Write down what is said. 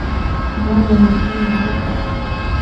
هذا المكان رائع.